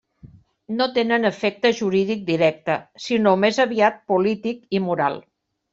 No tenen efecte jurídic directe, sinó més aviat polític i moral.